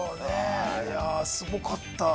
いや、すごかった。